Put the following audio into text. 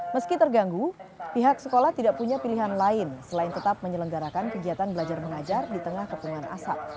meski terganggu pihak sekolah tidak punya pilihan lain selain tetap menyelenggarakan kegiatan belajar mengajar di tengah kepungan asap